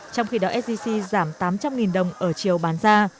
trong khi đó sgc giảm tám trăm linh đồng ở chiều bán ra